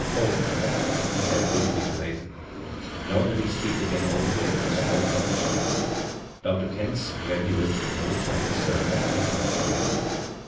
" Home," he said briefly to Nathan, nor did he speak again all the way to the small cottage next Dr. Kent's where he lived with an old Chinese servant to ke^ house for him.